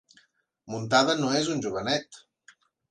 Muntada no és un jovenet.